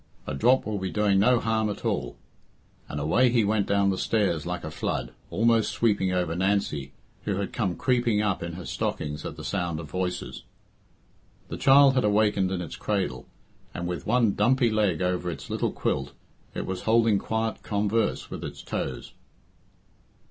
A drop will be doing no harm at all," and away he went down the stairs like a flood, almost sweeping over Nancy, who had come creeping up in her stockings at the sound of voices. The child had awakened in its cradle, and, with one dumpy leg over its little quilt, it was holding quiet converse with its toes.